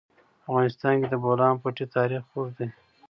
په افغانستان کې د د بولان پټي تاریخ اوږد دی.